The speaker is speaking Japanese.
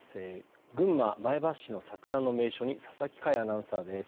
群馬・前橋市の桜の名所に佐々木快アナウンサーです。